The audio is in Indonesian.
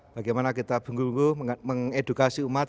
bagaimana kita bengkul bengkul mengedukasi umat